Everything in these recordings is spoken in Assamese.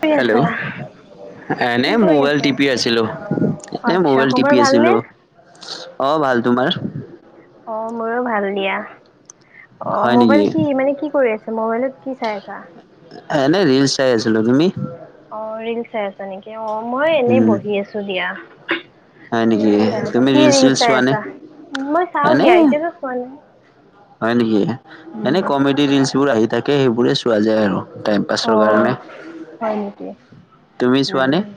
কৰি হেল্ল' আছা? কি এনেই কৰি মোবাইল আছা? টিপি আছিলোঁ, এনে আচ্ছা মোবাইল খবৰ টিপি ভালনে? আছিলোঁ। অ', ভাল, তোমাৰ? অ', মোৰো ভাল দিয়া। অ', হয় নেকি মোবাইল কি মানে কি কৰি আছোঁ মোবাইলত কি চাই আছা? এনে ৰিলচ চাই আছিলোঁ, তুমি? অ', ৰিলছ চাই আছা নেকি, অ', মই এনেই উম বহি আছোঁ দিয়া। হয় নেকি ৰিলছ চাই আছা, তুমি কি ৰিলচ ৰিল চিলচ চাই চোৱা নে আছা, উম মই চাওঁ এনে দিয়া এতিয়াতো চোৱা না হয় নেকি, এনে কমেডি ৰিলছ বোৰ আহি থাকে সেইবোৰে চোৱা যায় আৰু। টাইম পাছৰ অ', কাৰণে হয় নেকি তুমি চোৱানে উম,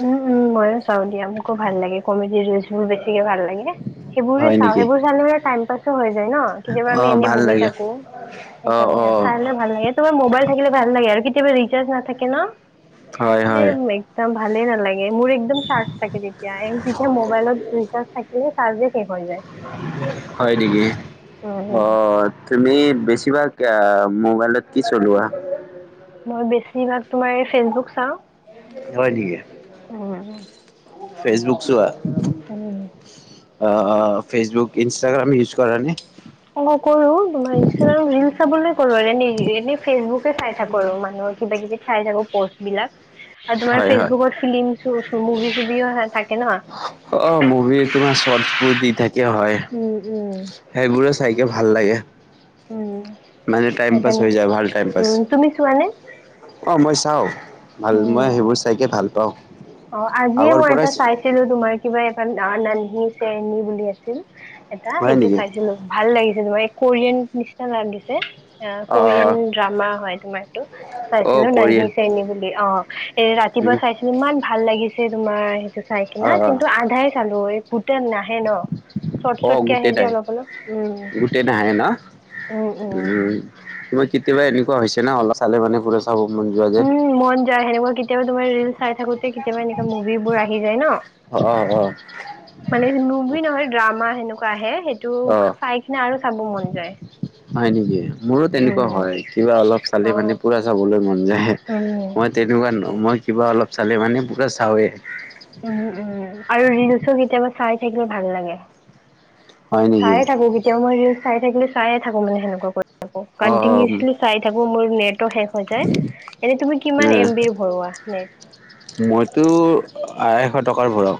উম, উম মই চাও দিয়া মোকো ভাল লাগে কমেডি ৰিলচ বোৰ বেছিকে ভাল লাগে, সেইবোৰে হয় চাও, নেকি সেইবোৰ চালে টাইম পাছ হৈ যায় ন, কেতিয়াবা অ আমি এনে ভাল বহি লাগে থাকো, অ সেইকাৰণে অ চালে ভাল লাগে তোমাৰ মোবাইল থাকিলে ভাল কেতিয়াবা ৰিচাৰ্চ নাথাকে ন, হয় এই হয় একদম ভালে নালা গে, মোৰ একদম চাৰ্জ থাকে তেতিয়া যেতিয়া মোবাইলত ৰিচাৰ্জ থাকিলে চাৰ্জে শেষ হৈ যায় হয় নেকি, উম উম। অ', তুমি বেছিভাগ এ মোবাইলত কি চলোৱা? মই বেছিভাগ তোমাৰ ফেচবুক চাও। হয় নেকি? হুম। ফেচবুক চোৱা? উম। অ', অ', ফেচবুক, ইনষ্টাগ্ৰাম ইউজ কৰা নে? অ', কৰো তোমাৰ ইনষ্টাগ্ৰাম ৰিলছ চাবলৈ কৰো আৰু এনে ফেচবুকে চাই থাকো আৰু ইমান কিবা কিবি চাই থাকোঁ প'ষ্ট বিলাক। আৰু তোমাৰ হয় হয়। ফেচবুকত ফিলিম শো' মুভি চুভিও থাকে ন? অ', মুভিৰ তোমাৰ শৰ্ট বোৰ দি থাকে হয়, উম উম সেইবোৰে চাইকে ভাল লাগে, উম মানে টাইম পাছ সেইকাৰণে হৈ যায় ভাল টাইম পাছ। উম তুমি চোৱানে অ', মই চাও, ভাল উম মই সেইবোৰ চাইকে ভাল পাওঁ। অ', আজিয়ে আগৰ মই এটা পৰাই চাইছিলো তোমাৰ কিবা এখন দান এণ্ড [unintelligible] আছিল এটা, হয় সেইটো নেকি? চাইছিলো ভাল লাগিছে তোমাৰ কোৰিয়ান নিচিনা লাগিছে, আহ অ কোৰিয়ান ড্ৰামা হয় তোমাৰ। ছিলো, অ চাইছিলোঁ কৰিয়েল [unintelligible] বুলি অ, এ ৰাতিপুৱা চাইছিলো ইমান ভাল লাগিছে তোমাৰ সেইটো চাই কিনাই, অ কিন্তু আধাই চালো এই গোটেই নাহে ন। চৰ্ট অ', চৰ্টকে আহে গোটেই যে নাহে, অলপ অলপ উম গোটেই নাহে ন? উম তুম কেতিয়াবা এনেকুৱা হৈছে না অলপ চালে মানে পুৰা চাব মন যোৱা যে? কেতিয়াা তোমাৰ ৰিল চাই থাকোতে কেতিয়াবা এনেুৱা মুভিবোৰ আহি যায় ন অ', অ', অ। মানে মুভি নহয় ড্ৰামা সেনেকুৱা আহে সেইটো অ অ চাই কিনে আৰু চাব মন যায়। হয় নেকি, মোৰো তেনেকুৱা উম। হয় কিবা অলপ চালি মানি অ'। পুৰা চাবলৈ মন নাহে, উম, মই তেনেকুৱা ন মই কিবা অলপ চালে মানে পোৰা চাওৱে। উম উম, আৰু ৰিলচো কেতিয়াবা চাই থাকিলে ভাল লাগে। হয় নেকি? চায়ে থাকো কেতিয়াও মই ৰিলচ চাই থাকিলে চায়ে থাকো মানে সেনেকুৱা ক আকো অ কটিনিউচলি চাই থাকো মোৰ নেট টো শেষ হয যায়, এনে তুমি কিমান এম বিৰ ভৰোৱা নেট? মইতো আই এশ টকাৰ ভৰাও।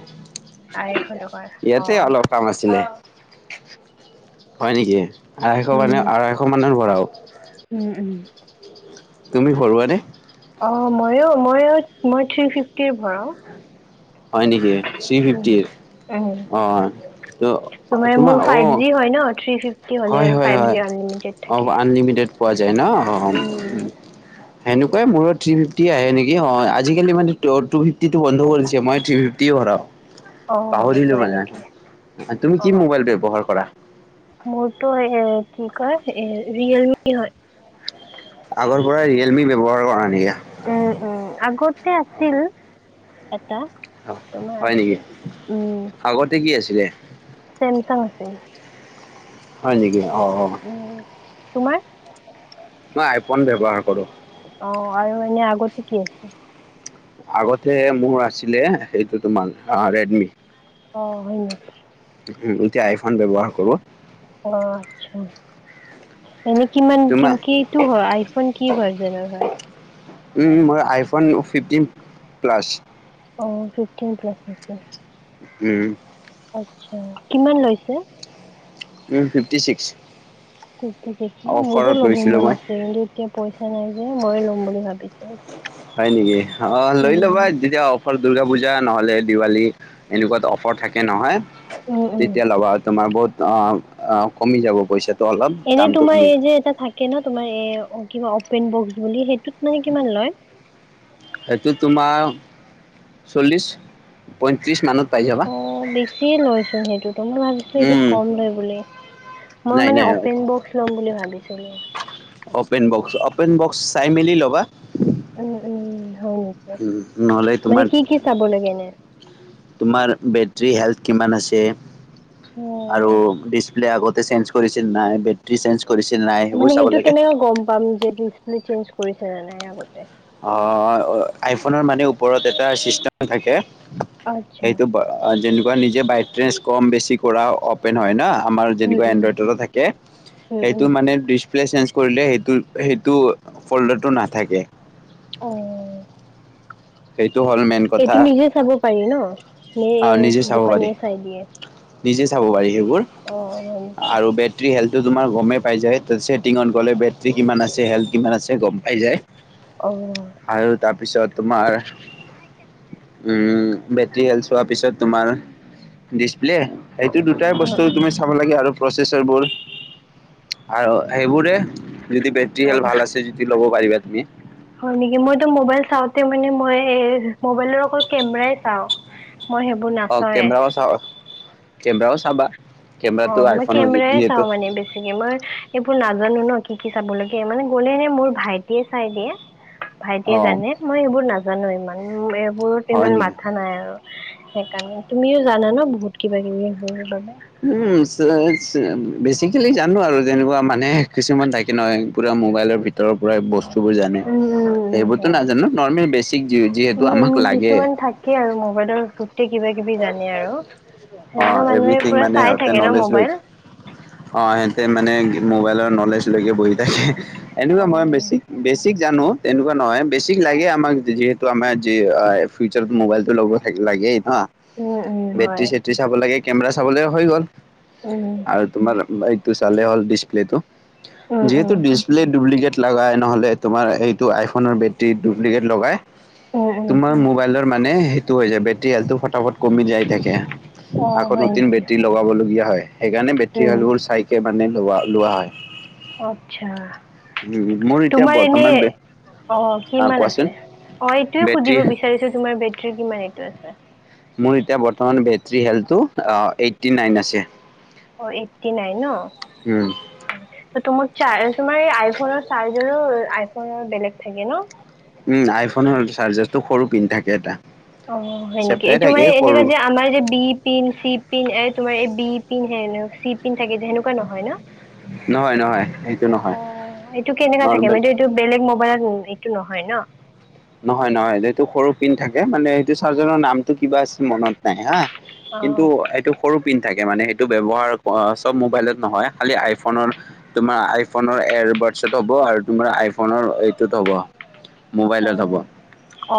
আঢ়ৈশ টকাৰ অ'। ইয়াতে অলপ কাম আছিলে। হয় নেকি আঢ়াইশ উম, মানে আঢ়ৈশ মানৰ ভৰাও। উম উম। তুমি ভৰুৱা নে? অ মইয়ো মইয়ো মই থ্ৰী ফিফটিৰ ভৰাওঁ। হয় নেকি থ্ৰী ফিফটি উম। অ তোমাৰ মোৰ অ ফাইভ জি হয় ন থ্ৰী ফিফটি হ'লে হয় আৰু হয় ফাইভ হয় জি আনলিমিটেড অ থাকে। আনলিমিটেড যে ন? সেনেকুৱাই মোৰো থ্ৰী ফিফটি আহে নেকি অ আজিকালি মানে টু ফিফটিটো বন্ধ কৰি দিছে মই থ্ৰি ফিফটিয়ে ভৰাও। অ পাহৰিলো হয় মানে, নেকি তুমি অ কি মোবাইল ব্যৱহাৰ কৰা? মোৰতো এ কি কয় এ ৰিয়েলমি হয়। আগৰ পৰা ৰিয়েলমি ব্যৱহাৰ কৰা নেকি? উম উম আগতে আছিল। এটা অ তোমাৰ হয় নেকি, উম আগতে কি আছিলে? চেমচাং আছিল। হয় নেকি অ। উম তোমাৰ? মই আইফোন ব্যৱহাৰ কৰো। অ আৰু এনে আগতে কি? আগতে মোৰ আছিলে সেইটো তোমাৰ ৰেডমি। অ হয় নেকি। উম এতিয়া আইফন ব্যৱহাৰ কৰো। অ আচ্ছা। এনেই কিমান তোমাৰ কিটো হয় আইফোন কি ভাৰ্জনৰ হয়। উম মই আইফোন ফিফটিন প্লাছ। অ ফিফটিন প্লাছ নেকি। উম। আচ্ছা কিমান লৈছে? উম ফিফটি ছিক্স। ফিফটি ছিক্স ন মোৰো অফাৰত লব লৈছিলোঁ মন মই আছে কিন্তু এতিয়া পইচা নাই। এ মই ল'ম বুলি ভাবিছিলো। হয় নেকি অ লৈ ল'বা যেতিয়া অফাৰ দুৰ্গা পূজা নহ'লে দিৱালী এনেকুৱাত অফাৰ থাকে নহয়। উম উম। তেতিয়া ল'বা তোমাৰ বহুত অ কমি যাব পইচা। এনে তোমাৰ এই যে এটা থাকে ন তোমাৰ এ কিবা অপেন বক্স বুলি সেই সেইটো তোমাৰ চল্লিশ পঁয়ত্ৰিশ মানত পাই যাবা অ বেছিয়ে লৈছো সেইটোতো মই ভাবিছিলো এইটোত উম কম লয় বুলি। মই নাই মানে নাই অপেন বক্স লম বুলি ভাবিছিলো। অপেন বক্স, অপেন বক্স চাই মেলি ল'বা। উম উম হয় নেকি নহ'লে মানে তোমাৰ কি কি চাব লাগে এনে? তোমাৰ বেটৰী হেল্থ কিমান আছে আৰু ডিস প্লে আগতে চেঞ্চ কৰিছিল নাই বেট্ৰি চেঞ্চ মানে সেইটো কেনেকে গম পাম যে ডিচপ্লে চেঞ্জ কৰিছে নে নাই আগতে? অ আইফোনৰ মানে ওপৰত এটা চিষ্টেম থাকে আচ্ছা সেইটো যেনেকুৱা নিজে বাইট্ৰেঞ্চ কম বেছি কৰা অপেন হয় ন। আমাৰ উম যেনেকুৱা উম এনড্ৰইডৰো থাকে উম উম সেইটো মানে ডিচ প্লে' চেঞ্জ কৰিলে সেইটো সেইটো ফ'ল্ডাৰটো নাথাকে। অ' সেইটো হ'ল মেইন কথা এইটো নিজে চাব পাৰি ন আৰু নিজে নে চাব পাৰি দোকানীয়ে চাই দিয়ে। নিজে চাব পাৰি সেইবোৰ অ হয় নেকি আৰু বেটৰী হেল্থো তোমাৰ গমেই পাই যায়। টিঙত গ'লে বেটেৰী কিমান আছে হেল্থ কিমান আছে গম পাই যায়। অ উম আৰু তাৰপিছত তোমাৰ উম বেটৰী হেলছ হোৱাৰ পিছত তোমাৰ ডিচপ্লে সেইটো দুটাই বস্তু উম তুমি চাব লাগে আৰু প্ৰচেছৰবোৰ আৰু সেইবোৰে যদি বেটৰী অ হেল ভাল আছে যদি ল'ব পাৰিবা তুমি হয় নেকি মইতো মোবাইল চাওঁতে মানে মই এ মোবাইলৰ অকল কেমেৰাই চাওঁ মই সেইবোৰ অ নাচাওৱে কেমেৰাও চাব কেমেৰাও চাবা অ কেমেৰাটো মই আইফোনৰ কেমেৰায় যিহেতু চাও মানে বেছিকে মই এইবোৰ নাজানো ন শিকি চাব লগগে মানে গ'লে নে মোৰ ভাইটিয়ে চাই দিয়ে অ ভাইটিয়ে জানে মই এইবোৰ নাজানো। নাজানো ইমান এইবোৰত হয় ইমান নেকি মাথা নাই আৰু সেইকাৰণে তুমিও জানা ন বহুত কিবা কিবি। উতচ বেচিকেলি জানো আৰু যেনেকুৱা মানে কিছুমান থাকে নহয় পুৰা মোবাইলৰ ভিত ভিতৰৰ পৰাই বস্তু বোৰ জানে উম উম উম এইবোৰতো হয় নাজানো নৰ্মেল বেছ টিক যিওই উম যিহেতু উম আমাক লাগে কিছুমান থাকে আৰু মোবাইলৰ গোটেই কিবা কিবি জানে আৰু অ সেনেকুৱা মানুহে এভিথিং পুৰা মানে চাই সিহঁতে থাকে ন নলেজ লৈ মোবাইল অ সিহঁতে মানে মোবাইলৰ নলেজ লৈকে বহি থাকে এনেকুৱা অ মই বেছিক বেছি টিক জানো তেনেকুৱা নহয় বেছিক লাগে আমাক যিহেতু আমাৰ যি ফিউচাৰত মোবাইল টো লগত থাকিলে লাগেই হাঃ উম উম বেৰ্টী হয় চেৰ্টী চাব লাগে কেমেৰা চাবলে হৈ গ'ল উম আৰু তোমাৰ এইটো চালে হ'ল ডিচপ্লেটো উম যিহেতু উম ডিছপ্লে ডুব্লিকেট লগাই নহ'লে তোমাৰ এইটো আই'ফোনৰ বেৰ্টী ডুব্লিকেট লগাই উম উম তোমাৰ মোবাইলৰ মানে সেইটো হৈ যায় বেটৰী হালটো ফটাফট কমি যাই থাকে অ আকৌ হয় নতুন নেকি বেটৰী লগাবলগীয়া হয় সেইকাৰণে বেৰ্টী উম বোৰ চাইকে মানে লগোৱা লোৱা হয় অটচ্ছা উম, মোৰ এতিয়া বৰ্তমান বে অ আ, কিমান কোৱাচোন আছে অ এইটোয়ে বেটৰী সুধিব বিচাৰিছো তোমাৰ বেৰ্টী কিমান এইটো আছে মোৰ এতিয়া বেৰ্টী হেলটো এইতটি নায়েন আছে অ এইটটি নাইন ন উম চাৰ্ তোমাৰ আইফনৰ চাৰ্জাৰো আইফনৰ বেলেগ থাকে ন উম আইফোনৰ চাৰ্জাৰটো সৰু পিন থাকে এটা অ হয় নেকি চেপ্টাই এইটো থাকে মানে সৰু এনেকা যে আমাৰ যে বি পিন চি পিন তোমাৰ এই বি পিন চি পিন থাকে যে সেনেকুৱা নহয় ন নহয় নহয় সেইটো নহয় অ এইটো কেনেককা থাকে নৰ্মেল মইটোএইটো বেলেগ মোবাইলত এইটো নহয় হয় ন নহয় নহয় এইটো সৰু পিন থাকে মানে সেইটো চাৰ্জাৰৰ নামটো কিবা মনত নাই হাঃ অ কিন্তু এইটো সৰু পিন থাকে মানে সেইটো ব্যৱহাৰ চব মোবাইল অট নহয় খালি আই'ফোনৰ তোমাৰ আই'ফোনৰ এ বে বাৰ্টচেত ব আৰ তোমাৰ আই'ফোনৰ এইটোত হ'ব মোবাইলে উম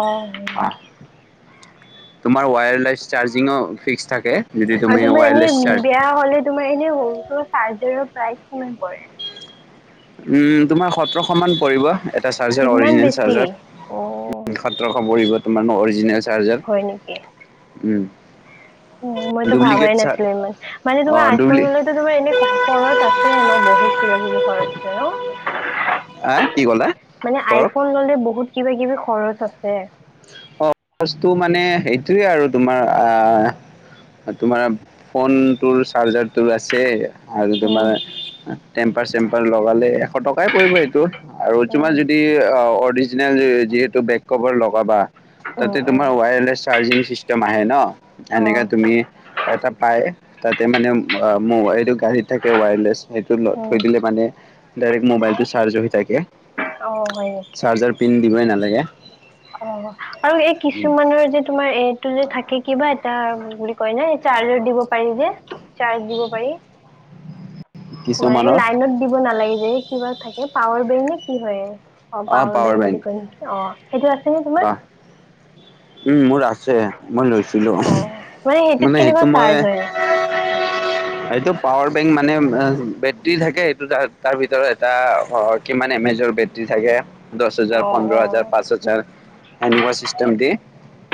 অ উম তোমাৰ ৱায়াৰলাইছ চাৰ্জিঙো ফিক্স থাকে যদি তুমি আৰু তোমাৰ এনে ৱায়াৰলেছ চাৰ্জ বেয়া হলে এনে সৰু চাৰৰ্জাৰৰ প্ৰাইচ কিমান পৰে উম তোমাৰ সতৰশ মান পৰিব এটা চাৰ্জাৰ ইমান অৰিজিনেল বেছি চাৰ্জাৰ অ সতৰশ পৰিব তোমাৰ অৰিজিনেল চাৰ্জাৰ উম উম মইতো ডুপ্লিকেট ভাবাই চাৰ নাছিলো ইমান। মানে অ তোমাৰ আইফোন ডুপ্লি ললেতো তোমাৰ এনে খ খৰচ আছে ন বহুত কিবা কিবি? খৰচ আছে আ ন। কি ক'লা মানে আই ফৰক ফোন ল'লে বহুত কিবা কিবি খৰচ আছে। অ খৰচটো মানে সেইটোৱে আৰু তোমাৰ আহ তোমাৰ ফোনটোৰ চাৰ্জাৰ তো আছে। আৰু তোমাৰ উম, টেম্পাৰ চেম্পাৰ লগালে এশ টকাই পৰিব এইটোত। আৰু তোমাৰ উম, যদি অ অৰিজিনেল যিহেতু বেক কভাৰ লগাবা। উম, তাতে উম, তোমাৰ ৱায়াৰলেছ চাৰ্জিং চিষ্টেম আহে ন। অ', এনেকে তুমি এটা পাই তাতে মানে মোবাইল এইটো গাড়ীত থাকে ৱায়াৰলেছ, সেইটো উম, থৈ দিলে মানে- ডাইৰেক্ট মোবাইলটো চাৰ্জ হৈ থাকে। অ', হয় নেকি? চাৰ্জাৰ পিন দিবই নালাগে। অ আৰু এই কিছুমানৰ যে তোমাৰ এইটো যে থাকে কিবা এটা বুলি কয় নে চাৰ্জত দিব পাৰি যে চাৰ্জ দিব পাৰি। তোমাৰ এই কিছুমানৰ লাইনত দিব নালাগে যে। কিবা থাকে পাৱাৰ বেংক নে কি হয়? অ পাৱাৰ বেংক বুলি কয় নেকি? অ সেইটো আছে নে তোমাৰ? অ উম মোৰ আ ছে। মই লৈছিলোঁ। অ', সেইটোত মানে কেনেকুৱা এইটো মই চাৰ্জ হয়? এইটো পাৱাৰ বেংক মানে বেটৰী থাকে সেইটোত। আৰু তাৰ ভিতৰত এটা কিমান এমেজৰ বেটৰী থাকে। দছ হাজাৰ, অ', পোন্ধৰ অ', হাজাৰ, পাঁচ হাজাৰ সেনেকুৱা চিষ্টেম দি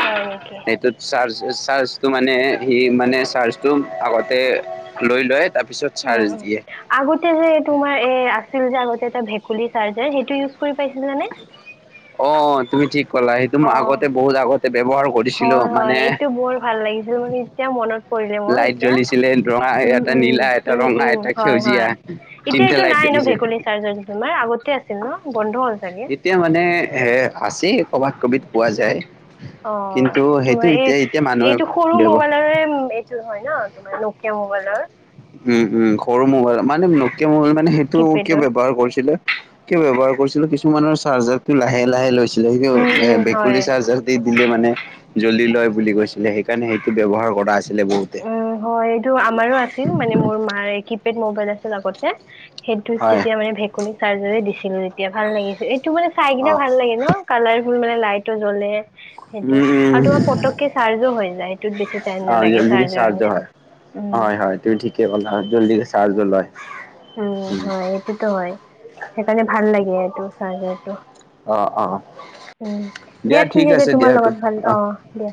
হয় নেকি? এইটোত চাৰ্চ চাৰ্জটো মানে সি মানে চাৰ্জটো আগতে লৈ লয়। তাৰপিছত চাৰ্জ উ-উ। দিয়ে আগতে যে তোমাৰ এ আছিল যে আগতে এটা ভেকুলী চাৰ্জাৰ সেইটো ইউ কৰি পাইছিলা নে? অ, তুমি ঠিক কলা। সেইটো মই আগতে বহুত আগতে ব্যৱহাৰ কৰিছিলো। হয় হয় মানে এইটো বৰ ভাল লাগিছিল মানে এতিয়া মনত পৰিলে মোৰ লাইট এতিয়া। জ্বলিছিলে ৰঙা উম এটা, উম নীলা এটা, উম ৰঙা উম এটা, হয় সেউজীয়া। হয় এতিয়া তিনটা এইটো লাইট নাই জ্বলিছে ভেকুলী চাৰ্জাৰটো তোমাৰ আগতে আছিল ন বন্ধ হল চাগে এতিয়া মানে এ আছেই কবাত কবিত পোৱা যায়। অ কিন্তু সেইটো তোমাৰ এই এতিয়া এতিয়া মানুহে এইটো সৰু ব্যৱ মোবাইলৰে এইটো হয় ন? তোমাৰ নকীয়া মোবাইলৰ। উম, উম সৰু মোবাইল, মানে নকিয়া মোবাইল মানে সেইটো কিয় কিপেডৰ ব্যৱহাৰ কৰিছিলে? কিয় ব্যৱহাৰ কৰিছিল কিছুমানৰ চাৰ্জাৰ টো লাহে লাহে লৈছিল। উম এ উম বেকুলী হয় চাৰজদি দিলে মানে জ্বলি লয় বুলি কৈছিলে। সেইকাৰণে সেইটো ব্যৱহাৰ কৰা আ উ হয়। এইটো আমাৰো আছিল। মানে মোৰ মাৰ কিপেড মবাইল আছিল আগতে। সেইটোত হয় তেতিয়া মানে ভেকুলী ছাৰ্জাৰে দিছিল, তেতিয়া ভাল লাগিছিল। টো মানে চাই অ কিনে ভাল লাগে ন? কালাৰফুল মানে লাইটো জ্বলে সেইটো। উম উম আৰু তোমাৰ পতককে চাৰ্জো হৈ যায়। সেইটোত বেছি টাইম অ নালাগে। জল্দিকে চাৰ্জাৰৰ চাৰ্জ নিচিনা। হয়। উম। হয়, হয়। তুমি ঠিকে কলা জল্দি চাৰ্জও লয়। উম হয়, এইটোতো হয়। সেইকাৰণে ভাল লাগে এইটো চাৰ্জাৰটো। অ অ। উম। দিয়া, ঠিক আছে। তোমাৰ লগত, ভাল অ দিয়া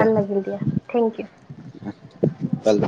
ভাল লাগিল দিয়া। Thank you. কাল